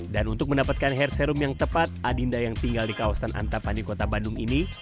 dan untuk mendapatkan hair serum yang tepat adinda yang tinggal di kawasan antapanikota bandung ini